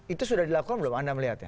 itu sudah dilakukan belum anda melihat ya